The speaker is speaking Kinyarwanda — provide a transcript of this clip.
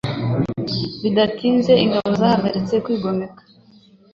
Bidatinze ingabo zahagaritse kwigomeka.